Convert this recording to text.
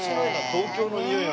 東京のにおいが。